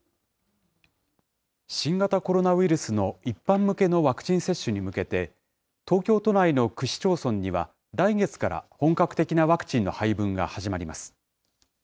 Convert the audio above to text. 新型コロナウイルスの一般向けのワクチン接種に向けて、東京都内の区市町村には、来月から本格的なワクチンの配分が始まります。